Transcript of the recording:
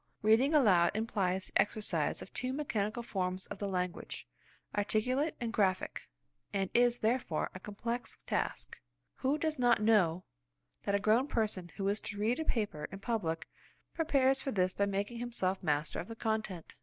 Reading aloud implies the exercise of two mechanical forms of the language–articulate and graphic–and is, therefore, a complex task. Who does not know that a grown person who is to read a paper in public prepares for this by making himself master of the content?